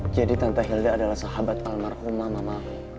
jadi tante hilda adalah sahabat almarhumah mama